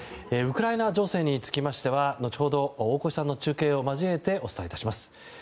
ウクライナ情勢につきましては後ほど大越さんの中継を交えましてお伝えいたします。